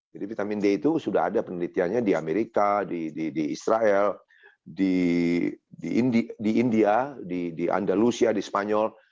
vitamin d itu sudah ada penelitiannya di amerika di israel di india di andalusia di spanyol